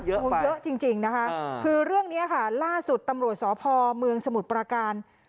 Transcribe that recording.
เยอะจริงนะคะคือเรื่องนี้ค่ะล่าสุดตำรวจสพเมืองสมุทรประการ